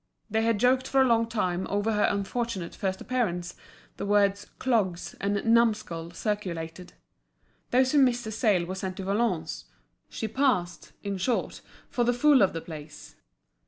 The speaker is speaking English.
They had joked for a long time over her unfortunate first appearance; the words "clogs" and "numbskull" circulated. Those who missed a sale were sent to Valognes; she passed, in short, for the fool of the place.